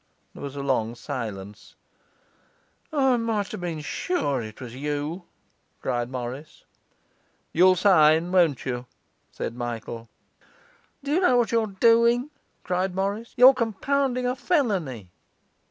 There was a long silence. 'I might have been sure it was you!' cried Morris. 'You'll sign, won't you?' said Michael. 'Do you know what you're doing?' cried Morris. 'You're compounding a felony.